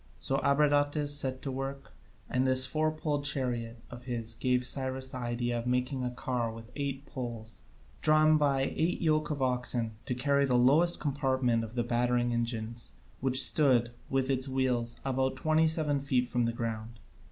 So Abradatas set to work, and this four poled chariot of his gave Cyrus the idea of making a car with eight poles, drawn by eight yoke of oxen, to carry the lowest compartment of the battering engines, which stood, with its wheels, about twenty seven feet from the ground.